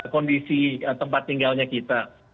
kondisi tempat tinggalnya kita